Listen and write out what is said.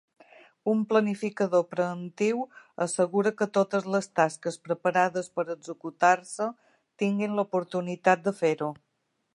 Un planificador preemptiu assegura que totes les tasques preparades per executar-se tinguin l’oportunitat de fer-ho.